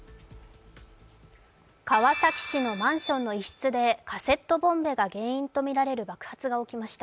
川崎市のマンションの一室でカセットボンベが原因とみられる爆発が起きました。